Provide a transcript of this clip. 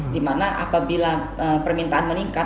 di mana apabila permintaan meningkat